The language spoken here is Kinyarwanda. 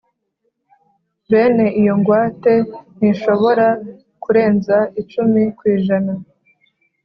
Bene iyo ngwate ntishobora kurenza icumi ku ijana